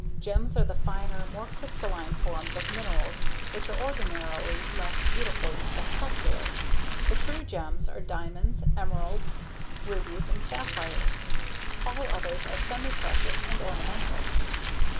Gems are the finer, more crystalline forms of minerals which are ordinarily less beautiful and spectacular. The true gems are diamonds, emeralds, rubies and sapphires. All others are semiprecious and ornamental.